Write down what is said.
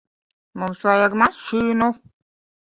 Mums vajag mašīnu.